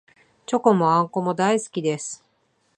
チョコもあんこも大好きです